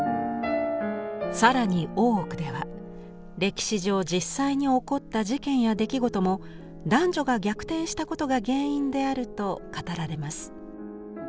更に「大奥」では歴史上実際に起こった事件や出来事も男女が逆転したことが原因であると語られます。